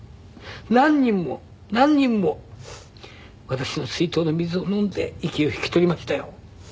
何人も何人も私の水筒の水を飲んで息を引き取りましたよ。